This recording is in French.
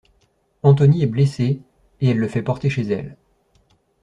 Antony est blessé, et elle le fait porter chez elle.